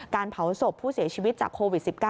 เผาศพผู้เสียชีวิตจากโควิด๑๙